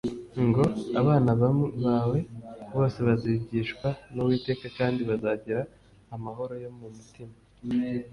ngo: «Abana bawe bose bazigishwa n'Uwiteka kandi bazagira amahoro yo mu mutima.'»